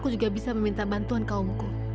aku juga bisa meminta bantuan kaumku